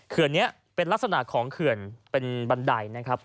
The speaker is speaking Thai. นี้เป็นลักษณะของเขื่อนเป็นบันไดนะครับ